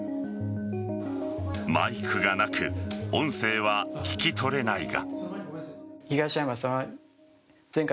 マイクがなく音声は聞き取れないが。